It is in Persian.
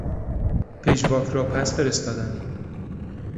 پژواک را پس فرستادن